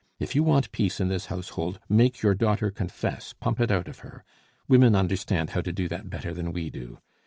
If you want peace in this household, make your daughter confess, pump it out of her. Women understand how to do that better than we do.